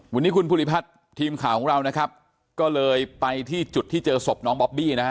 วันนี้คุณภูริพัฒน์ทีมข่าวของเรานะครับก็เลยไปที่จุดที่เจอศพน้องบอบบี้นะฮะ